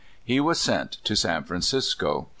He was sent to San Francisco.